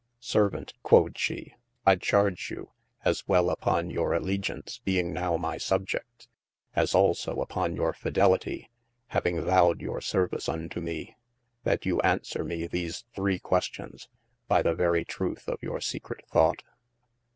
Servant (quod she) I charge you, as well uppon your all[e]giance being no we my subjedt, as also upon your fidelitie, having vowed your service unto me, that you aunswere me these three questions, by the very truth of your secret thought.